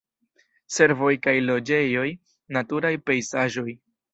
Servoj kaj loĝejoj, naturaj pejzaĝoj.